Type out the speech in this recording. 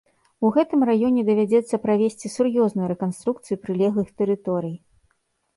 У гэтым раёне давядзецца правесці сур'ёзную рэканструкцыю прылеглых тэрыторый.